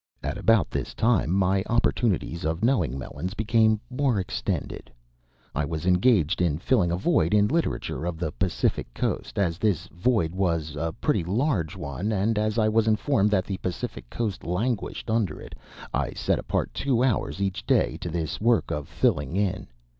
At about this time my opportunities of knowing Melons became more extended. I was engaged in filling a void in the Literature of the Pacific Coast. As this void was a pretty large one, and as I was informed that the Pacific Coast languished under it, I set apart two hours each day to this work of filling in.